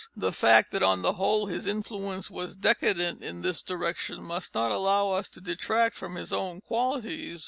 The fact that on the whole his influence was decadent in this direction must not allow us to detract from his own qualities.